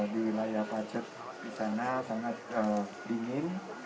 di wilayah pacet di sana sangat dingin